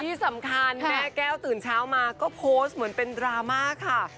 ที่สำคัญแม่แก้วตื่นเช้ามาก็โพสต์เหมือนเป็นดราม่าค่ะ